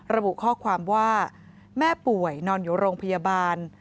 ระบุข้อความว่าแม่ป่วยนอนอยู่โรงพยาบาล